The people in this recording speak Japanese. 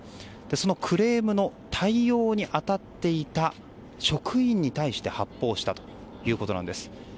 そのクレームの対応に当たっていた職員に対して発砲したということなんです。